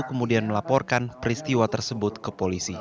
kemudian melaporkan peristiwa tersebut ke polisi